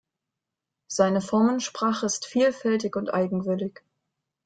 Seine Formensprache ist vielfältig und eigenwillig.